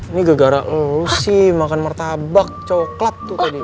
ini gak gara lo sih makan martabak coklat tuh tadi